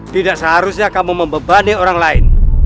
tidak seharusnya kamu membebani orang lain